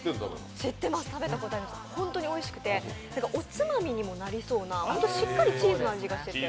知ってます、食べたことあります、ホントにおいしくて、おつまみにもなりそうな、しっかりチーズの味がしてて。